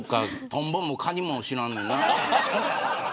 トンボもカニも知らんのな。